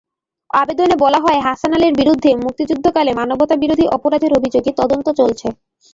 আবেদনে বলা হয়, হাসান আলীর বিরুদ্ধে মুক্তিযুদ্ধকালে মানবতাবিরোধী অপরাধের অভিযোগে তদন্ত চলছে।